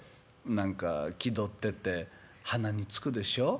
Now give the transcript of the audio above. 「何か気取ってて鼻につくでしょ？